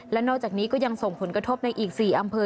และนอกจากนี้ก็ยังส่งผลกระทบในอีก๔อำเภอ